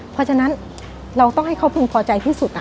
เพราะฉะนั้นเราต้องให้เขาพึงพอใจที่สุด